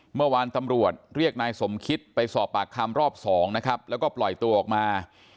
เมื่อวานตำรวจเรียกนายสมคิตไปสอบปากคำรอบสองนะครับแล้วก็ปล่อยตัวออกมา